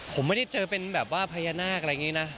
ผมไม่ได้เจอเป็นแบบว่าพญานาคอะไรอย่างนี้นะ